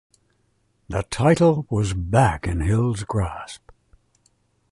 The title was back in Hill's grasp.